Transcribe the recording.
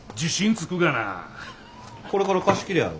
これから貸し切りやろ？